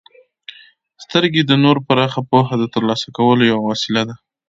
•سترګې د نور پراخه پوهه د ترلاسه کولو یوه وسیله ده.